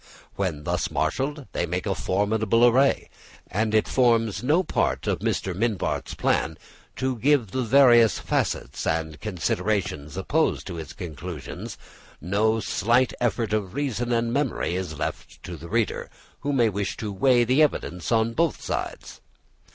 When thus marshalled, they make a formidable array; and as it forms no part of Mr. Mivart's plan to give the various facts and considerations opposed to his conclusions, no slight effort of reason and memory is left to the reader, who may wish to weigh the evidence on both sides.